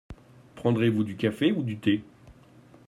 Prendrez-vous du café ou du thé ?